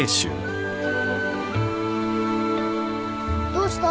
どうした？